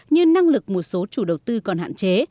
như năng lực một số chủ đầu tư còn hạn chế